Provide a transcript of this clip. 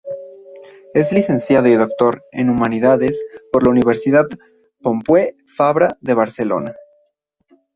Es Licenciado y doctor en Humanidades por la Universidad Pompeu Fabra de Barcelona.